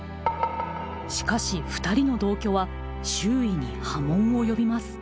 しかしふたりの同居は周囲に波紋を呼びます。